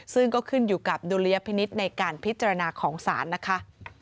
ซึ่งก็ขึ้นอยู่กับดุลยพินิษฐ์ในการพิจารณาของศาลนะคะ